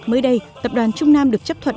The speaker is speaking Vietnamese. mới đây tập đoàn trung nam được chấp thuận